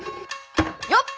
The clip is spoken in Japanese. よっ！